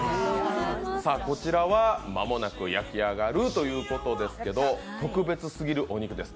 こちらはまもなく焼き上がるということですけど特別すぎるお肉です。